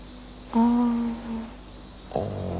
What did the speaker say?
ああ。